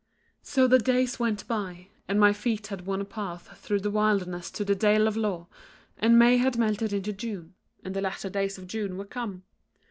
"So the days went by, and my feet had worn a path through the wilderness to the Dale of Lore, and May had melted into June, and the latter days of June were come.